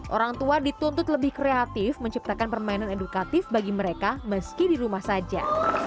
orang tua dituntut lebih kreatif menciptakan permainan edukatif bagi mereka meski di rumah saja